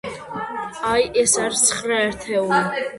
აი, ეს არის ცხრა ერთეული.